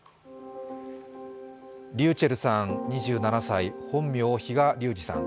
ｒｙｕｃｈｅｌｌさん２７歳、本名・比嘉龍二さん。